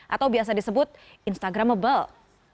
atau biasa disebut instagramable